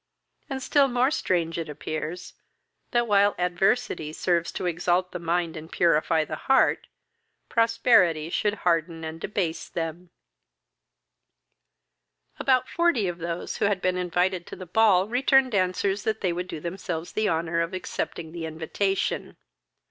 and, still more strange it appears, that, while adversity serves to exalt the mind and purify the heart, prosperity should harden and debase them. About forty of those who had been invited to the ball returned answers that they would do themselves the honour of accepting the invitation.